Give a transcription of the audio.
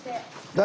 誰？